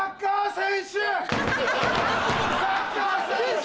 サッカー選手！